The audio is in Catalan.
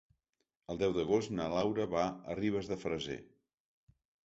El deu d'agost na Laura va a Ribes de Freser.